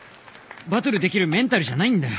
バトルできるメンタルじゃないんだよ